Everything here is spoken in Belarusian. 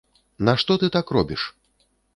Нашто ты так робіш?